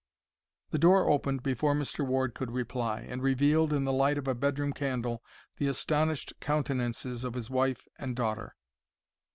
The door opened before Mr. Ward could reply, and revealed, in the light of a bedroom candle, the astonished countenances of his wife and daughter.